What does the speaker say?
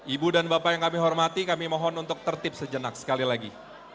ibu dan bapak yang kami hormati kami mohon untuk tertib sejenak sekali lagi